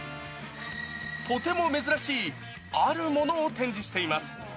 とても珍しいあるものを展示しています。